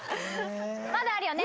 まだあるよね？